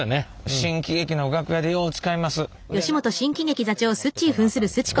新喜劇の楽屋でよう使います。